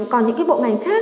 còn những cái bộ ngành khác